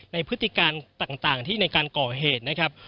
พฤติการต่างที่ในการก่อเหตุนะครับ